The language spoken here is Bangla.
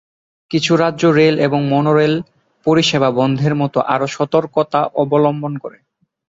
কিছু রাজ্য রেল এবং মনোরেল পরিষেবা বন্ধের মতো আরও সতর্কতা অবলম্বন করে।